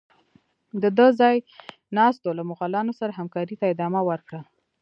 د ده ځای ناستو له مغولانو سره همکارۍ ته ادامه ورکړه.